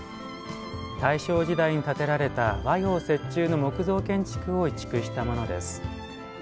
大正時代に建てられた和洋折衷の木造建築を移築したものです。